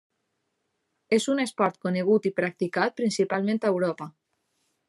És un esport conegut i practicat principalment a Europa.